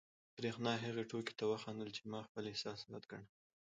برېښنا هغې ټوکې ته وخندل، چې ما خپل احساسات ګڼل.